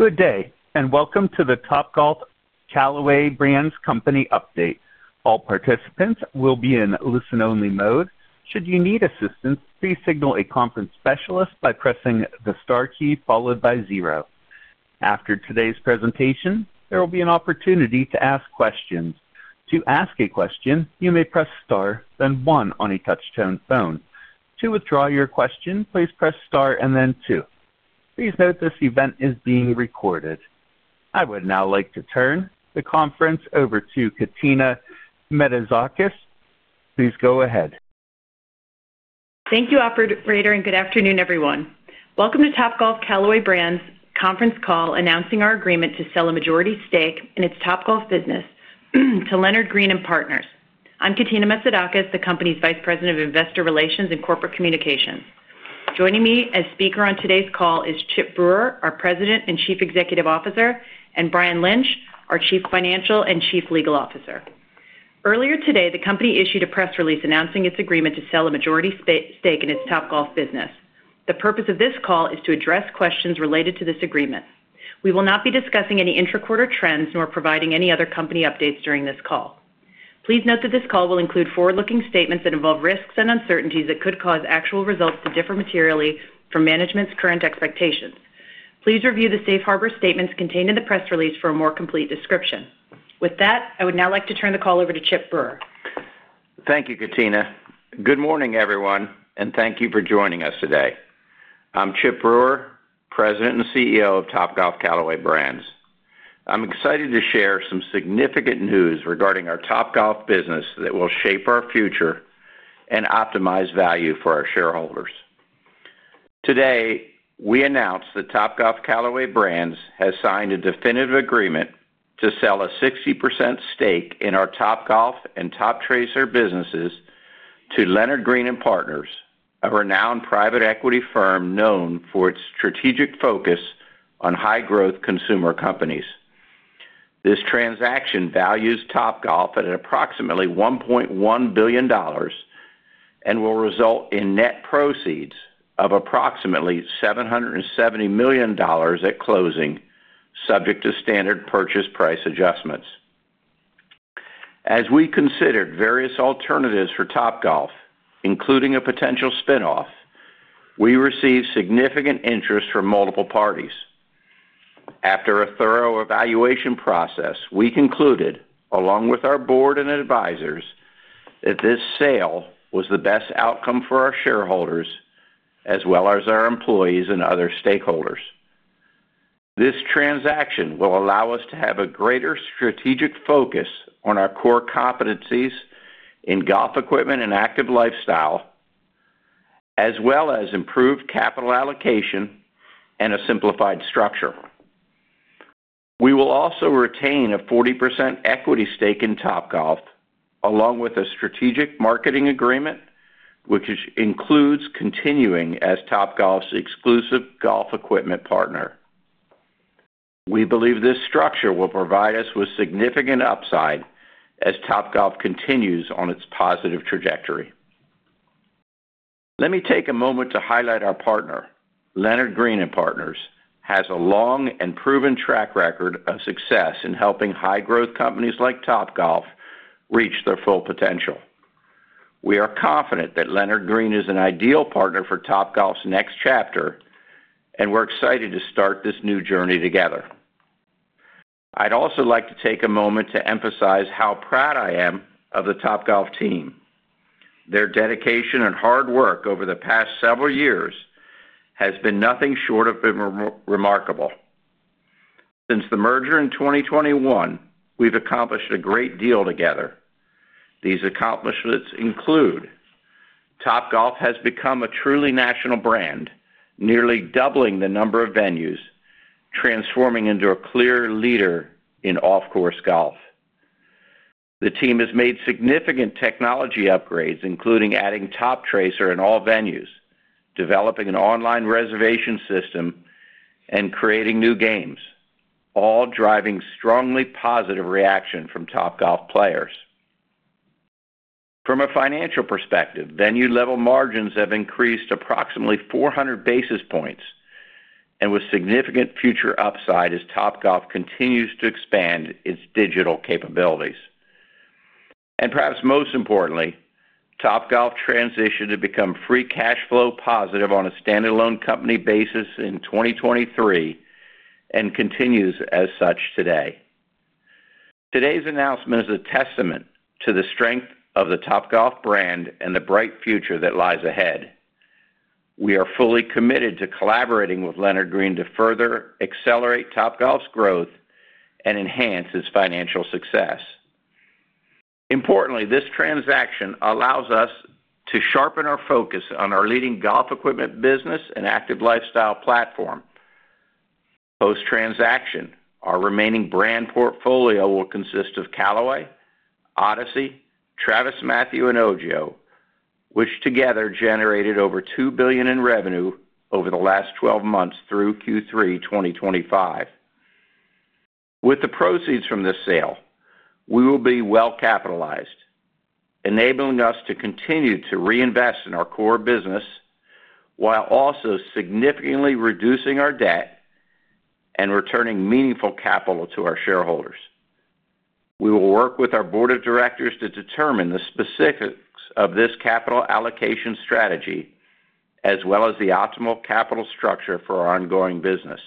Good day, and welcome to the Topgolf Callaway Brands Company Update. All participants will be in listen-only mode. Should you need assistance, please signal a conference specialist by pressing the star key followed by zero. After today's presentation, there will be an opportunity to ask questions. To ask a question, you may press star, then one on a touch-tone phone. To withdraw your question, please press star and then two. Please note this event is being recorded. I would now like to turn the conference over to Katina Metzidakis. Please go ahead. Thank you, Operator, and good afternoon, everyone. Welcome to Topgolf Callaway Brands' conference call announcing our agreement to sell a majority stake in its Topgolf business to Leonard Green & Partners. I'm Katina Metzidakis, the company's Vice President of Investor Relations and Corporate Communications. Joining me as speaker on today's call is Chip Brewer, our President and Chief Executive Officer, and Brian Lynch, our Chief Financial and Chief Legal Officer. Earlier today, the company issued a press release announcing its agreement to sell a majority stake in its Topgolf business. The purpose of this call is to address questions related to this agreement. We will not be discussing any intra-quarter trends nor providing any other company updates during this call. Please note that this call will include forward-looking statements that involve risks and uncertainties that could cause actual results to differ materially from management's current expectations. Please review the safe harbor statements contained in the press release for a more complete description. With that, I would now like to turn the call over to Chip Brewer. Thank you, Katina. Good morning, everyone, and thank you for joining us today. I'm Chip Brewer, President and CEO of Topgolf Callaway Brands. I'm excited to share some significant news regarding our Topgolf business that will shape our future and optimize value for our shareholders. Today, we announce that Topgolf Callaway Brands has signed a definitive agreement to sell a 60% stake in our Topgolf and Toptracer businesses to Leonard Green & Partners, a renowned private equity firm known for its strategic focus on high-growth consumer companies. This transaction values Topgolf at approximately $1.1 billion and will result in net proceeds of approximately $770 million at closing, subject to standard purchase price adjustments. As we considered various alternatives for Topgolf, including a potential spinoff, we received significant interest from multiple parties. After a thorough evaluation process, we concluded, along with our board and advisors, that this sale was the best outcome for our shareholders as well as our employees and other stakeholders. This transaction will allow us to have a greater strategic focus on our core competencies in golf equipment and active lifestyle, as well as improved capital allocation and a simplified structure. We will also retain a 40% equity stake in Topgolf, along with a strategic marketing agreement, which includes continuing as Topgolf's exclusive golf equipment partner. We believe this structure will provide us with significant upside as Topgolf continues on its positive trajectory. Let me take a moment to highlight our partner. Leonard Green & Partners has a long and proven track record of success in helping high-growth companies like Topgolf reach their full potential. We are confident that Leonard Green is an ideal partner for Topgolf's next chapter, and we're excited to start this new journey together. I'd also like to take a moment to emphasize how proud I am of the Topgolf team. Their dedication and hard work over the past several years has been nothing short of remarkable. Since the merger in 2021, we've accomplished a great deal together. These accomplishments include: Topgolf has become a truly national brand, nearly doubling the number of venues, transforming into a clear leader in off-course golf. The team has made significant technology upgrades, including adding Toptracer in all venues, developing an online reservation system, and creating new games, all driving strongly positive reaction from Topgolf players. From a financial perspective, venue-level margins have increased approximately 400 basis points and with significant future upside as Topgolf continues to expand its digital capabilities. Perhaps most importantly, Topgolf transitioned to become free cash flow positive on a standalone company basis in 2023 and continues as such today. Today's announcement is a testament to the strength of the Topgolf brand and the bright future that lies ahead. We are fully committed to collaborating with Leonard Green to further accelerate Topgolf's growth and enhance its financial success. Importantly, this transaction allows us to sharpen our focus on our leading golf equipment business and active lifestyle platform. Post-transaction, our remaining brand portfolio will consist of Callaway, Odyssey, TravisMathew, and OGIO, which together generated over $2 billion in revenue over the last 12 months through Q3 2025. With the proceeds from this sale, we will be well capitalized, enabling us to continue to reinvest in our core business while also significantly reducing our debt and returning meaningful capital to our shareholders. We will work with our board of directors to determine the specifics of this capital allocation strategy as well as the optimal capital structure for our ongoing business.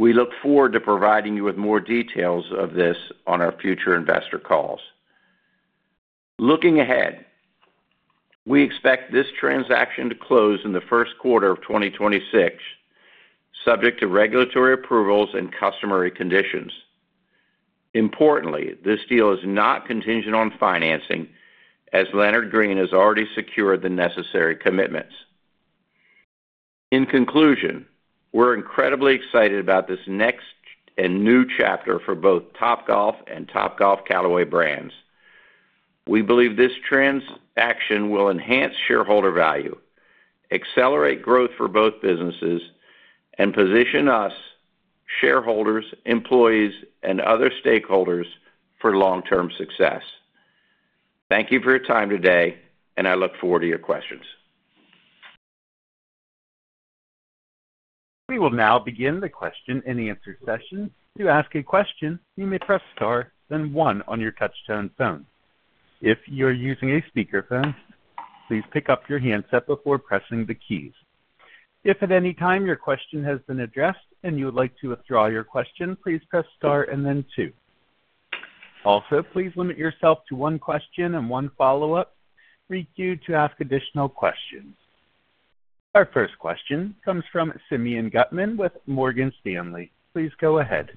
We look forward to providing you with more details of this on our future investor calls. Looking ahead, we expect this transaction to close in the first quarter of 2026, subject to regulatory approvals and customary conditions. Importantly, this deal is not contingent on financing as Leonard Green has already secured the necessary commitments. In conclusion, we're incredibly excited about this next and new chapter for both Topgolf and Topgolf Callaway Brands. We believe this transaction will enhance shareholder value, accelerate growth for both businesses, and position us, shareholders, employees, and other stakeholders for long-term success. Thank you for your time today, and I look forward to your questions. We will now begin the question-and-answer session. To ask a question, you may press star, then one on your touch-tone phone. If you're using a speakerphone, please pick up your handset before pressing the keys. If at any time your question has been addressed and you would like to withdraw your question, please press star and then two. Also, please limit yourself to one question and one follow-up. We do ask additional questions. Our first question comes from Simeon Gutman with Morgan Stanley. Please go ahead.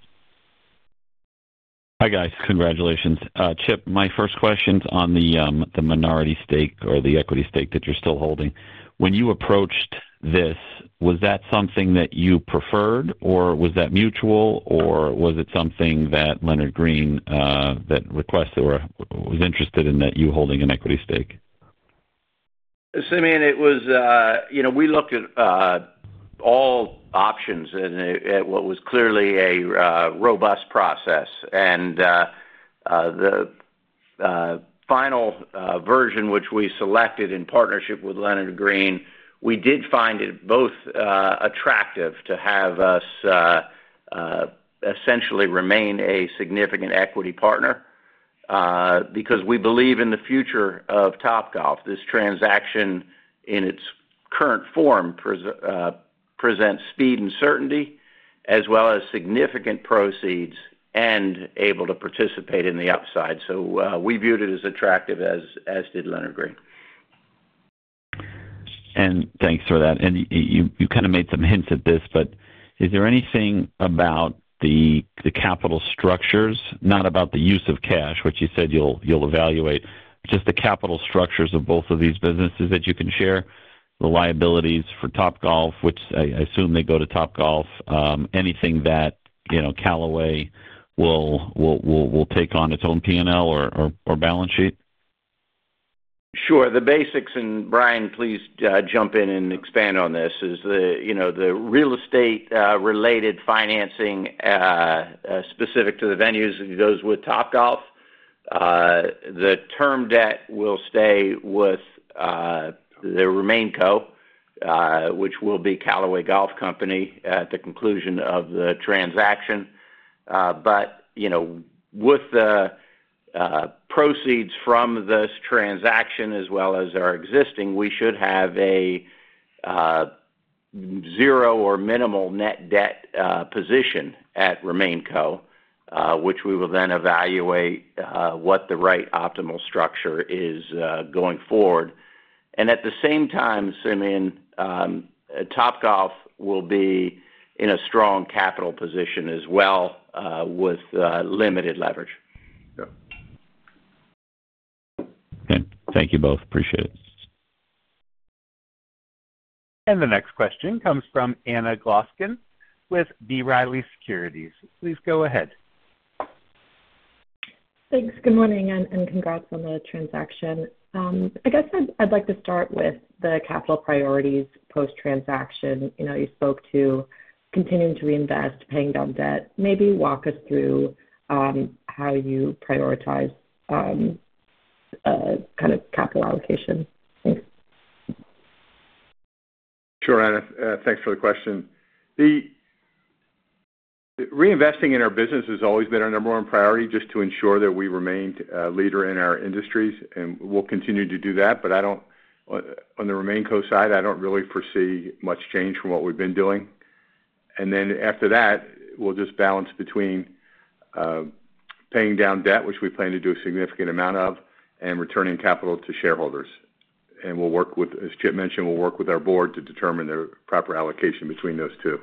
Hi guys. Congratulations. Chip, my first question's on the minority stake or the equity stake that you're still holding. When you approached this, was that something that you preferred, or was that mutual, or was it something that Leonard Green requested or was interested in that you holding an equity stake? Simeon, it was, you know, we looked at all options and at what was clearly a robust process. The final version which we selected in partnership with Leonard Green, we did find it both attractive to have us essentially remain a significant equity partner because we believe in the future of Topgolf. This transaction, in its current form, presents speed and certainty as well as significant proceeds and able to participate in the upside. We viewed it as attractive as did Leonard Green. Thanks for that. You kind of made some hints at this, but is there anything about the capital structures, not about the use of cash, which you said you'll evaluate, just the capital structures of both of these businesses that you can share? The liabilities for Topgolf, which I assume they go to Topgolf, anything that, you know, Callaway will take on its own P&L or balance sheet? Sure. The basics, and Brian, please jump in and expand on this, is the, you know, the real estate-related financing specific to the venues that goes with Topgolf. The term debt will stay with the RemainCo, which will be Callaway Golf Company at the conclusion of the transaction. With the proceeds from this transaction as well as our existing, we should have a zero or minimal net debt position at RemainCo, which we will then evaluate what the right optimal structure is going forward. At the same time, Simeon, Topgolf will be in a strong capital position as well with limited leverage. Yeah. Thank you both. Appreciate it. The next question comes from Anna Gloskin with B. Riley Securities. Please go ahead. Thanks. Good morning and congrats on the transaction. I guess I'd like to start with the capital priorities post-transaction. You know, you spoke to continuing to reinvest, paying down debt. Maybe walk us through how you prioritize kind of capital allocation. Thanks. Sure, Anna. Thanks for the question. The reinvesting in our business has always been our number one priority just to ensure that we remain a leader in our industries and will continue to do that. I do not, on the RemainCo side, I do not really foresee much change from what we have been doing. After that, we will just balance between paying down debt, which we plan to do a significant amount of, and returning capital to shareholders. We will work with, as Chip mentioned, we will work with our board to determine the proper allocation between those two.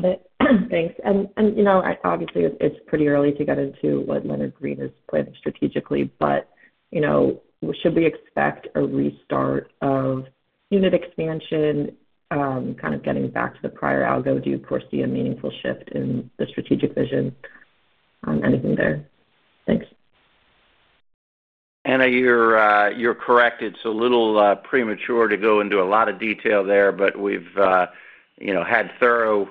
Got it. Thanks. You know, obviously, it's pretty early to get into what Leonard Green is planning strategically, but, you know, should we expect a restart of unit expansion, kind of getting back to the prior algo? Do you foresee a meaningful shift in the strategic vision? Anything there? Thanks. Anna, you're correct. It's a little premature to go into a lot of detail there, but we've, you know, had thorough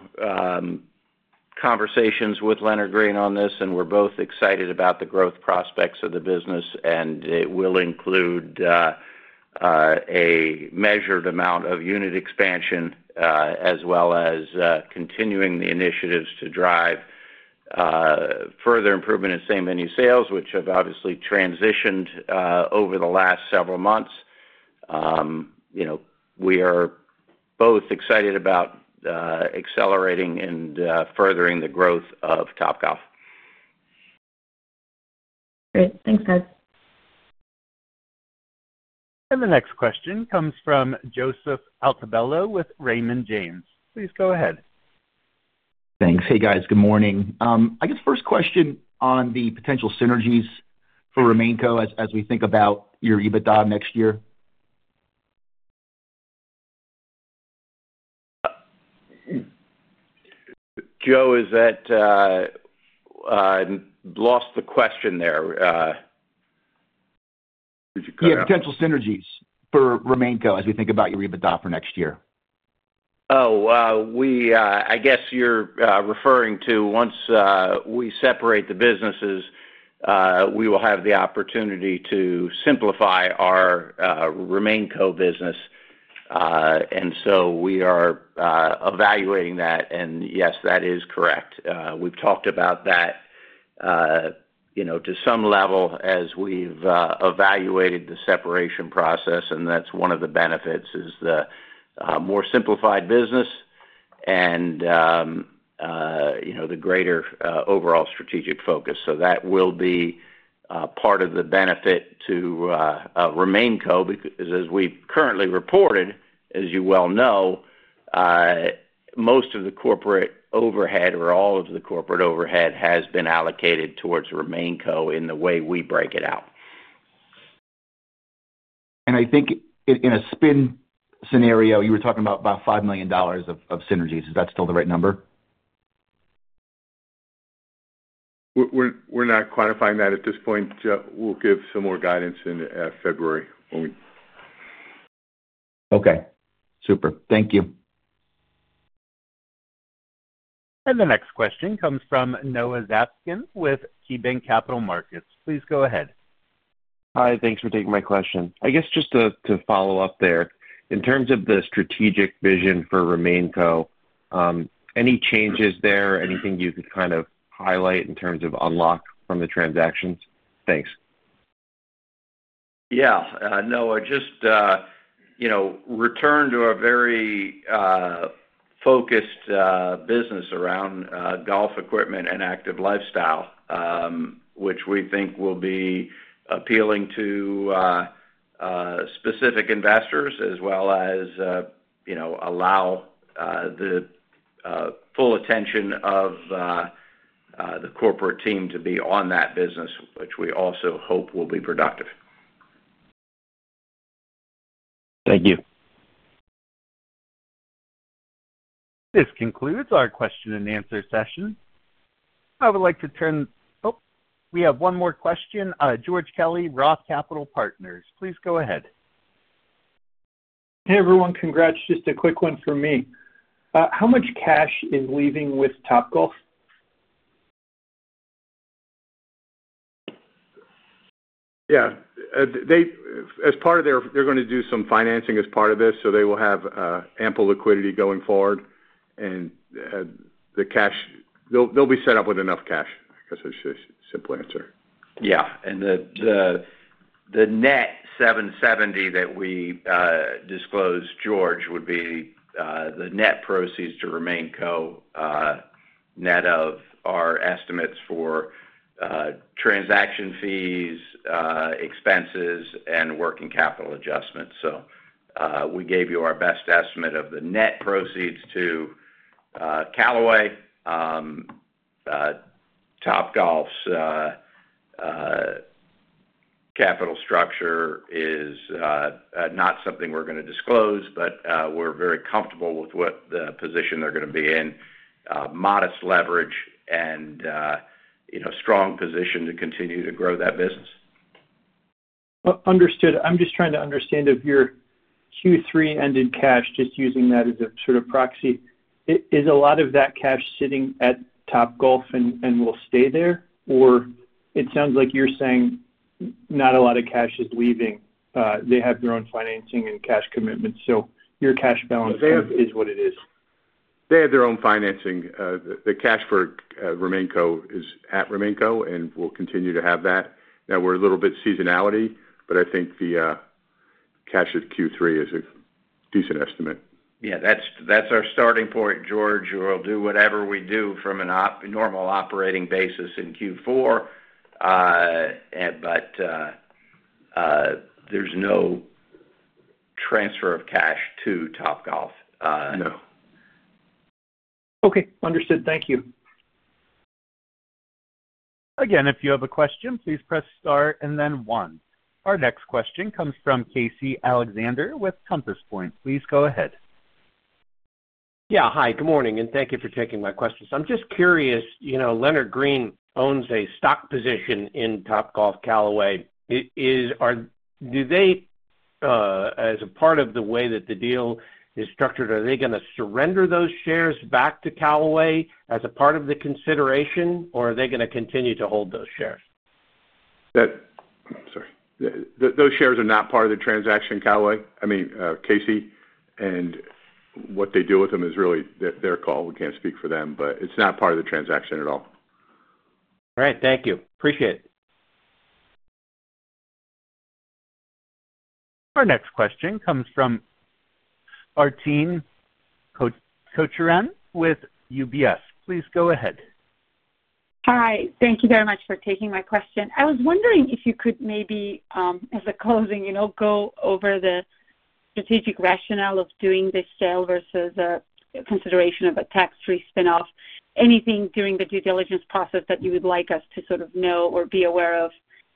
conversations with Leonard Green on this, and we're both excited about the growth prospects of the business, and it will include a measured amount of unit expansion as well as continuing the initiatives to drive further improvement in same-venue sales, which have obviously transitioned over the last several months. You know, we are both excited about accelerating and furthering the growth of Topgolf. Great. Thanks, guys. The next question comes from Joseph Altobello with Raymond James. Please go ahead. Thanks. Hey, guys. Good morning. I guess first question on the potential synergies for RemainCo as we think about your EBITDA next year. Joe, is that lost the question there? Yeah. Potential synergies for RemainCo as we think about your EBITDA for next year. Oh, I guess you're referring to once we separate the businesses, we will have the opportunity to simplify our RemainCo business. I mean, we are evaluating that, and yes, that is correct. We've talked about that, you know, to some level as we've evaluated the separation process, and that's one of the benefits is the more simplified business and, you know, the greater overall strategic focus. That will be part of the benefit to RemainCo because, as we've currently reported, as you well know, most of the corporate overhead or all of the corporate overhead has been allocated towards RemainCo in the way we break it out. I think in a spin scenario, you were talking about $5 million of synergies. Is that still the right number? We're not quantifying that at this point. We'll give some more guidance in February when we. Okay. Super. Thank you. The next question comes from Noah Zatzkin with KeyBanc Capital Markets. Please go ahead. Hi. Thanks for taking my question. I guess just to follow up there, in terms of the strategic vision for RemainCo, any changes there, anything you could kind of highlight in terms of unlock from the transactions? Thanks. Yeah. No, just, you know, return to a very focused business around golf equipment and active lifestyle, which we think will be appealing to specific investors as well as, you know, allow the full attention of the corporate team to be on that business, which we also hope will be productive. Thank you. This concludes our question-and-answer session. I would like to turn—oh, we have one more question. George Kelly, Roth Capital Partners. Please go ahead. Hey, everyone. Congrats. Just a quick one from me. How much cash is leaving with Topgolf? Yeah. As part of their—they're going to do some financing as part of this, so they will have ample liquidity going forward, and the cash—they'll be set up with enough cash, I guess is the simple answer. Yeah. The net $770 million that we disclosed, George, would be the net proceeds to RemainCo net of our estimates for transaction fees, expenses, and working capital adjustments. We gave you our best estimate of the net proceeds to Callaway. Topgolf's capital structure is not something we're going to disclose, but we're very comfortable with what the position they're going to be in: modest leverage and, you know, strong position to continue to grow that business. Understood. I'm just trying to understand if your Q3 ended cash, just using that as a sort of proxy, is a lot of that cash sitting at Topgolf and will stay there? Or it sounds like you're saying not a lot of cash is leaving. They have their own financing and cash commitments. So your cash balance is what it is. They have their own financing. The cash for RemainCo is at RemainCo and will continue to have that. Now, we're a little bit seasonality, but I think the cash at Q3 is a decent estimate. Yeah. That's our starting point, George. We'll do whatever we do from a normal operating basis in Q4, but there's no transfer of cash to Topgolf. No. Okay. Understood. Thank you. Again, if you have a question, please press star and then one. Our next question comes from Casey Alexander with Compass Point. Please go ahead. Yeah. Hi. Good morning, and thank you for taking my questions. I'm just curious, you know, Leonard Green owns a stock position in Topgolf Callaway. Do they, as a part of the way that the deal is structured, are they going to surrender those shares back to Callaway as a part of the consideration, or are they going to continue to hold those shares? Sorry. Those shares are not part of the transaction, Casey, and what they do with them is really their call. We can't speak for them, but it's not part of the transaction at all. All right. Thank you. Appreciate it. Our next question comes from Arpine Kocharian with UBS. Please go ahead. Hi. Thank you very much for taking my question. I was wondering if you could maybe, as a closing, you know, go over the strategic rationale of doing this sale versus a consideration of a tax-free spinoff. Anything during the due diligence process that you would like us to sort of know or be aware of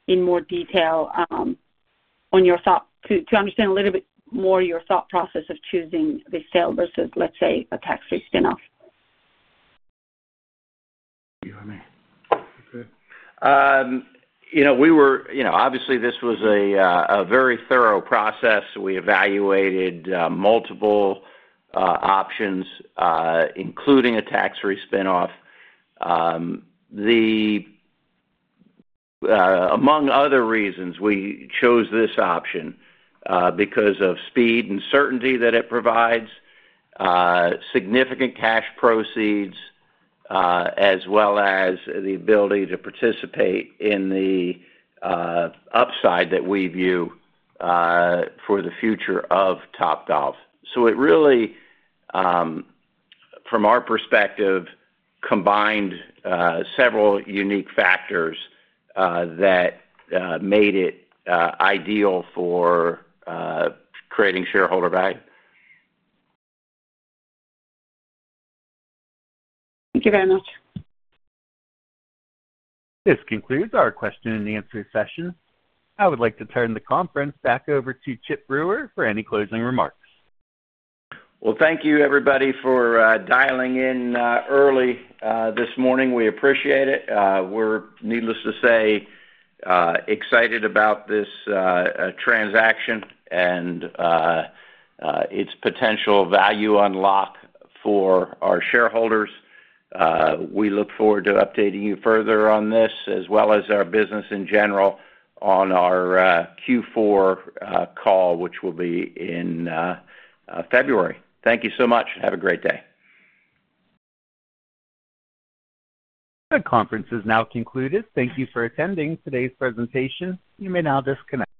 in more detail on your thought to understand a little bit more your thought process of choosing the sale versus, let's say, a tax-free spinoff? Okay. You know, we were, you know, obviously, this was a very thorough process. We evaluated multiple options, including a tax-free spinoff. Among other reasons, we chose this option because of speed and certainty that it provides, significant cash proceeds, as well as the ability to participate in the upside that we view for the future of Topgolf. It really, from our perspective, combined several unique factors that made it ideal for creating shareholder value. Thank you very much. This concludes our question-and-answer session. I would like to turn the conference back over to Chip Brewer for any closing remarks. Thank you, everybody, for dialing in early this morning. We appreciate it. We're, needless to say, excited about this transaction and its potential value unlock for our shareholders. We look forward to updating you further on this as well as our business in general on our Q4 call, which will be in February. Thank you so much. Have a great day. The conference is now concluded. Thank you for attending today's presentation. You may now disconnect.